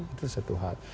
itu satu hal